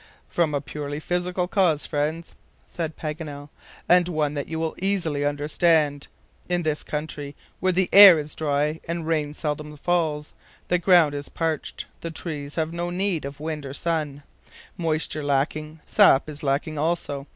"From a purely physical cause, friends," said Paganel, "and one that you will easily understand. In this country where the air is dry and rain seldom falls, and the ground is parched, the trees have no need of wind or sun. Moisture lacking, sap is lacking also.